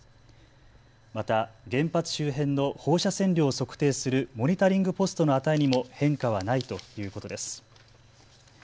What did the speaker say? また原発周辺の放射線量を測定するモニタリングポストの値にも変化はないということです。